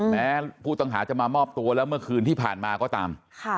แม้ผู้ต้องหาจะมามอบตัวแล้วเมื่อคืนที่ผ่านมาก็ตาม